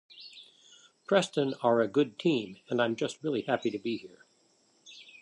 Preston are a good team and I'm just really happy to be here.